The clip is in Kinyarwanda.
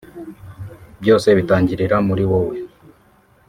Byose bitangirira muri wowe